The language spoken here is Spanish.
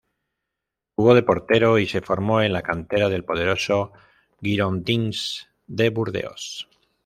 Jugó de portero y se formó en la cantera del poderoso Girondins de Burdeos.